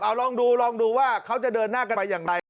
เอาลองดูลองดูว่าเขาจะเดินหน้ากันไปอย่างไร